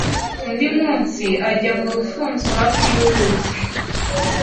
Undi munsi ajya mu rufunzo hafi y'uruzi